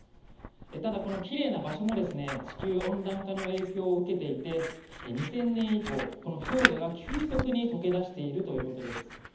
ただ、このきれいな場所も地球温暖化の影響を受けていて２０００年以降氷河が急速に解け出しているということです。